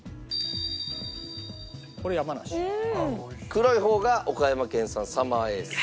黒い方が岡山県産サマーエース。